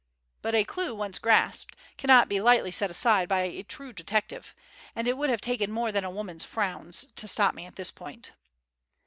But a clue once grasped cannot be lightly set aside by a true detective, and it would have taken more than a woman's frowns to stop me at this point.